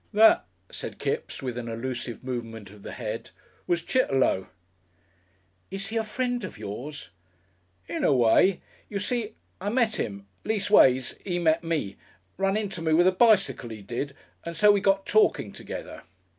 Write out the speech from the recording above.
"That," said Kipps with an allusive movement of the head, "was Chitterlow." "Is he a friend of yours?" "In a way.... You see I met 'im. Leastways 'e met me. Run into me with a bicycle, 'e did, and so we got talking together."